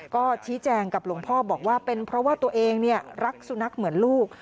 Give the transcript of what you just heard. ก็ชี้แจงกับหลวงพ่อบอกว่าเป็นเพราะว่าตัวเองรักสุนัขเหมือนลูก